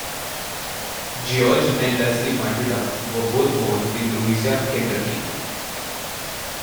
George and Leslie Muddleduck were both born in Louisa, Kentucky.